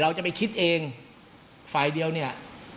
เราจะไปคิดเองฝ่ายเดียวเนี่ย